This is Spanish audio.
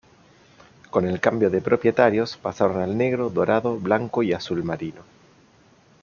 Con el cambio de propietarios pasaron al negro, dorado, blanco y azul marino.